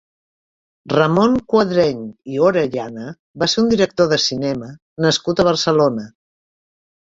Ramon Quadreny i Orellana va ser un director de cinema nascut a Barcelona.